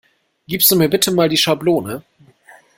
Gibst du mir bitte mal die Schablone?